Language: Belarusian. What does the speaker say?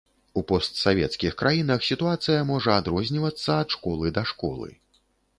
У постсавецкіх краінах сітуацыя можа адрознівацца ад школы да школы.